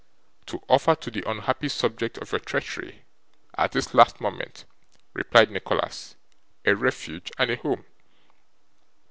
'To offer to the unhappy subject of your treachery, at this last moment,' replied Nicholas, 'a refuge and a home.